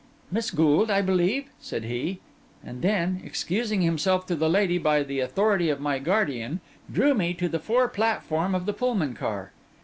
'Miss Gould, I believe?' said he; and then, excusing himself to the lady by the authority of my guardian, drew me to the fore platform of the Pullman car.